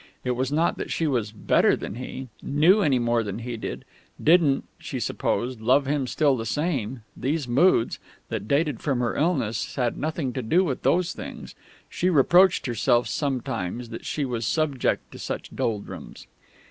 It was not that she was "better" than he, "knew" any more than he did, didn't (she supposed) love him still the same; these moods, that dated from her illness, had nothing to do with those things; she reproached herself sometimes that she was subject to such doldrums.